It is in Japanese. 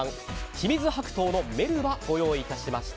清水白桃のメルバご用意いたしました。